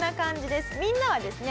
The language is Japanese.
みんなはですね